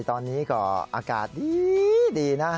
ตอนนี้ก็อากาศดีนะ